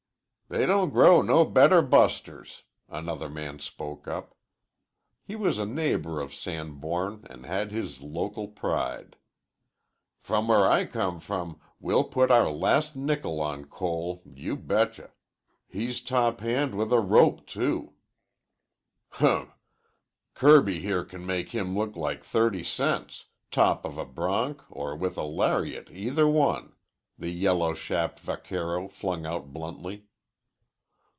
"They don't grow no better busters," another man spoke up. He was a neighbor of Sanborn and had his local pride. "From where I come from we'll put our last nickel on Cole, you betcha. He's top hand with a rope too." "Hmp! Kirby here can make him look like thirty cents, top of a bronc or with a lariat either one," the yellow chapped vaquero flung out bluntly.